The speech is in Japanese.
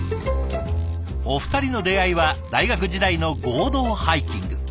お二人の出会いは大学時代の合同ハイキング。